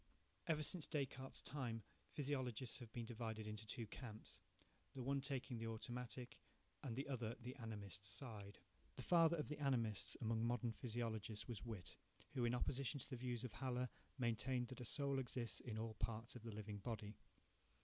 Ever since Descartes' time, Physiologists have been divided into two camps, the one taking the automatic, and the other the animist side. The father of the animists among modern physiologists was Whytt, who, in opposition to the views of Haller, maintained that a soul exists in all parts of the living body.